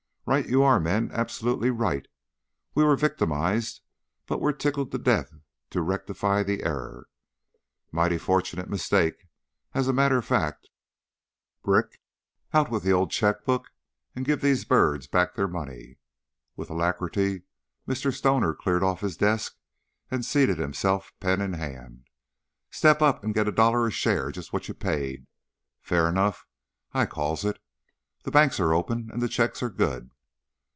"Right you are, men! Absolutely right. We were victimized, but we're tickled to death to rectify the error. Mighty fortunate mistake, as a matter of fact. Brick, out with the old check book and give these birds back their money." With alacrity Mr. Stoner cleared off his desk and seated himself, pen in hand. "Step up and get a dollar a share just what you paid. Fair enough, I calls it. The banks are open and the checks are good."